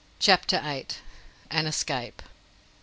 CHAPTER VIII. AN ESCAPE.